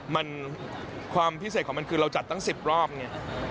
มันความพิเศษของมันคือเราจัดตั้ง๑๐รอบไง